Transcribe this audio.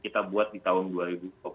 kita buat di senayan bang vito